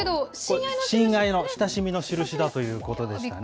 親愛の、親しみのしるしだということですね。